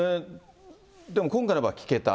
でも今回の場合、聞けた。